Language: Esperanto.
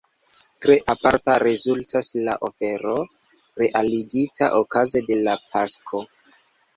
Tre aparta rezultas la ofero realigita okaze de la Pasko.